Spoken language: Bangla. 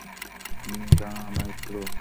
দাঁড়া, নাইট্রো।